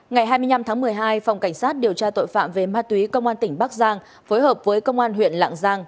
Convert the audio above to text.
ngày hai mươi năm tháng một mươi hai phòng cảnh sát điều tra tội phạm về ma túy công an tỉnh bắc giang phối hợp với công an huyện lạng giang